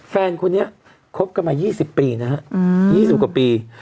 แฟนคนนี้คบกันมา๒๐ปีนะฮะ๒๐กว่าปี